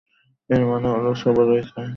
এর মানে হলো, সবারই চাই!